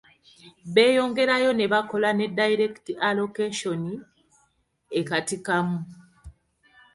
Beeyongerayo ne bakola ne ‘Direct Allocation' e Katikamu.